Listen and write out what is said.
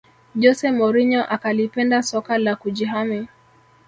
Jose Mourinho akalipenda soka la kujihami